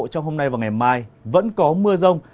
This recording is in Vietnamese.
trong hôm nay và ngày mai vẫn có mưa rông